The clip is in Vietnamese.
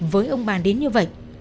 với ông bà đến như vậy